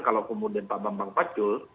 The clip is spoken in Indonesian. kalau kemudian pak bambang pacul